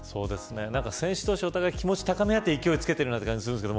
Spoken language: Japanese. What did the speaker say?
選手同士が気持ちを高め合って勢いをつけている感じがします。